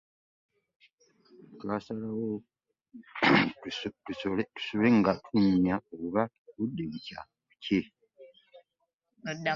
Twasalawo tusule nga tunyumya oba obudde bukya bukye.